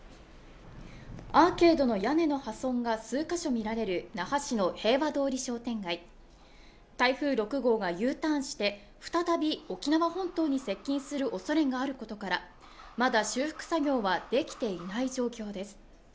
アーケードの屋根の破損が数カ所見られる那覇市の平和通り商店街台風６号がＵターンして再び沖縄本島に接近するおそれがあることからまだ修復作業はできていない状況です